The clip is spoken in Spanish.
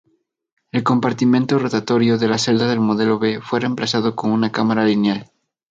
El compartimento rotatorio de celdas del modelo B fue reemplazado con una cámara lineal.